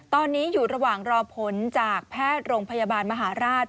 ตอนนี้อยู่ระหว่างรอผลจากแพทย์โรงพยาบาลมหาราช